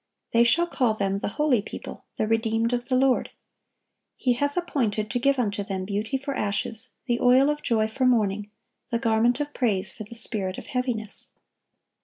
(1128) "They shall call them, The holy people, The redeemed of the Lord." He hath appointed "to give unto them beauty for ashes, the oil of joy for mourning, the garment of praise for the spirit of heaviness."